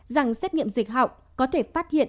rằng xét nghiệm dịch họng có thể phát hiện